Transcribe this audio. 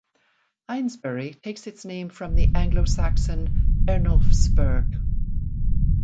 Eynesbury takes its name from the Anglo-Saxon "Ernulf's Burgh".